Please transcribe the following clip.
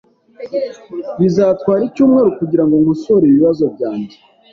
Bizatwara icyumweru kugirango nkosore ibibazo byanjye.